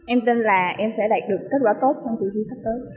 em tin là em sẽ đạt được kết quả tốt trong kỳ thi sắp tới